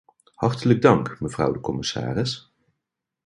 Hartelijk dank, mevrouw de commissaris!